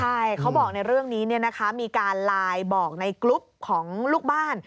ใช่เขาบอกในเรื่องนี้มีการไลน์บอกในกรุ๊ปของลูกบ้าน